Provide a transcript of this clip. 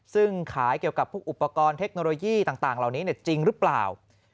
ซึ่งขายเกี่ยวกับพวกอุปกรณ์เทคโนโลยีต่างเหล่านี้จริงหรือเปล่า